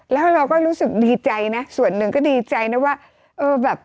แล้วเราก็รู้สึกดีใจนะส่วนหนึ่งก็ดีใจนะว่าเออแบบ